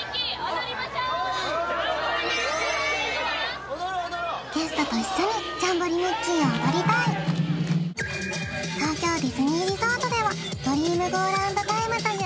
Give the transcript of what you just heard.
踊ろう踊ろうゲストと一緒にジャンボリミッキー！を踊りたい東京ディズニーリゾートではドリームゴーラウンドタイム！という